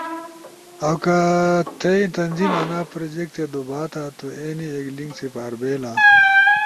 ُو کہ تھئی تنظیم آنا پراجیکٹ تے دُوبھاتا تُو اینے ایک لنک سپاربھییلا